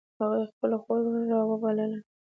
هغې خپله خور را و بلله